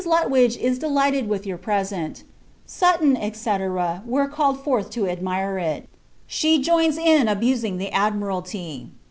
Lutwidge is delighted with your present. Sutton, &c. were called forth to admire it. She joins in abusing the Admiralty.